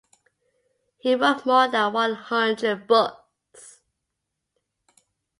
He wrote more than one hundred books.